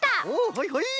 はいはい！